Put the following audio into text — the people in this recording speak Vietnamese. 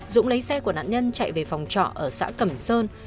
dũng lấy xe của nạn nhân chạy về phòng trọ ở xã cẩm sơn